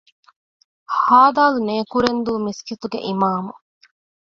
ހދ. ނޭކުރެންދޫ މިސްކިތުގެ އިމާމު